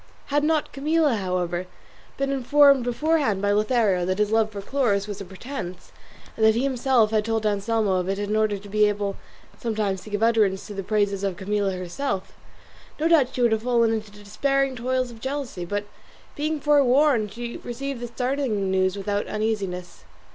Had not Camilla, however, been informed beforehand by Lothario that this love for Chloris was a pretence, and that he himself had told Anselmo of it in order to be able sometimes to give utterance to the praises of Camilla herself, no doubt she would have fallen into the despairing toils of jealousy; but being forewarned she received the startling news without uneasiness.